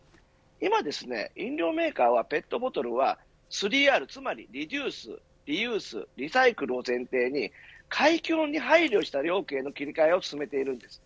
今、飲料メーカーはペットボトルは３Ｒ、つまりリデュース、リユースリサイクルを前提に環境に配慮した容器への切り替えを進めているんです。